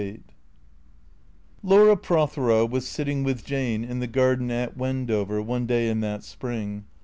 LXVIII LAURA PROTHERO was sitting with Jane in the garden at Wendover one day in that spring.